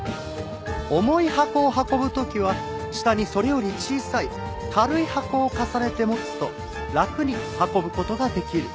重い箱を運ぶ時は下にそれより小さい軽い箱を重ねて持つと楽に運ぶ事ができる。